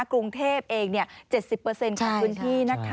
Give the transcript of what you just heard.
กรุงเทพฯเอง๗๐เปอร์เซ็นต์ของคุณที่นะคะ